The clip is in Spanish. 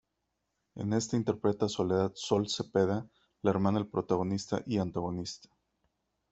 En esta interpreta a Soledad "Sol" Cepeda, la hermana del protagonista y antagonista.